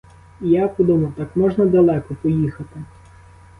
І я подумав: так можна далеко, поїхати.